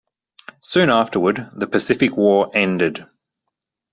Soon afterward the Pacific war ended.